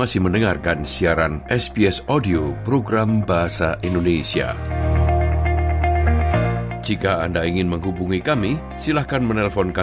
sampai jumpa di video selanjutnya